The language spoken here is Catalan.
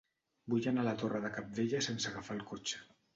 Vull anar a la Torre de Cabdella sense agafar el cotxe.